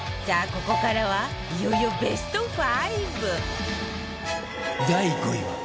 ここからはいよいよベスト５